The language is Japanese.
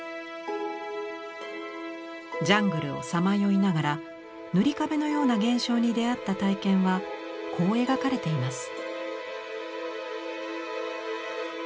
ジャングルをさまよいながら「塗壁」のような現象に出会った体験はこう描かれています。